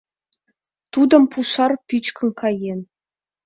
Тудым пушар пӱчкын каен.